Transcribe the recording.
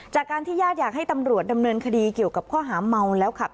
จากการที่ญาติอยากให้ตำรวจดำเนินคดีเกี่ยวกับข้อหาเมาแล้วขับ